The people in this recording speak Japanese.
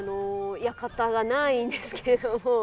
館がないんですけど。